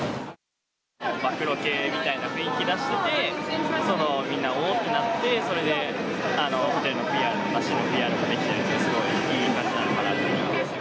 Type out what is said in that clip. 暴露系みたいな雰囲気出してて、みんな、お？ってなって、それでホテルのＰＲ、市のＰＲができるなら、すごいいいんじゃないかなと。